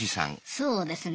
そうですね。